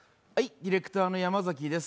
ディレクターの山崎です